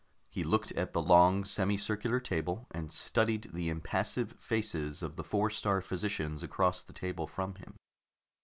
He looked at the long semicircular table, and studied the impassive faces of the four star Physicians across the table from him.